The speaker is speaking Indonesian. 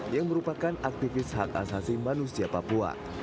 yang merupakan aktivis hak asasi manusia papua